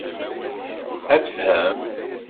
Ad tefhem.